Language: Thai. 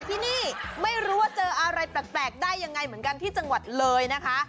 ที่นี่ไม่รู้ว่าเจออะไรแปลกได้ยังไงเหมือนกันที่จังหวัดเลยนะคะ